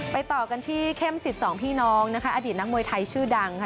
ต่อกันที่เข้มสิทธิ์สองพี่น้องนะคะอดีตนักมวยไทยชื่อดังค่ะ